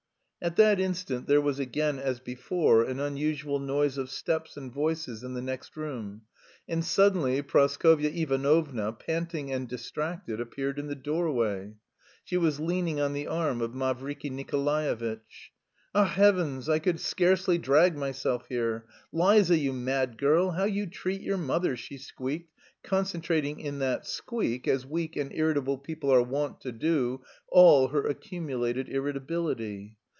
At that instant there was again, as before, an unusual noise of steps and voices in the next room, and suddenly Praskovya Ivanovna, panting and "distracted," appeared in the doorway. She was leaning on the arm of Mavriky Nikolaevitch. "Ach, heavens, I could scarcely drag myself here. Liza, you mad girl, how you treat your mother!" she squeaked, concentrating in that squeak, as weak and irritable people are wont to do, all her accumulated irritability.